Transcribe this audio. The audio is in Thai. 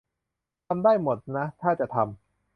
ทำได้หมดนะถ้าจะทำ